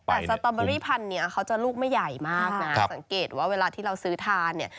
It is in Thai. แต่สตอเบอรี่พันธุ์เนี่ยเขาจะลูกไม่ใหญ่มากนะสังเกตว่าเวลาที่เราซื้อทานเนี่ย